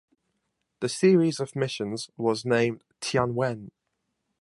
The series of missions was named "Tianwen".